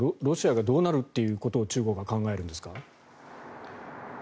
ロシアがどうなるということを中国は考えるんですか？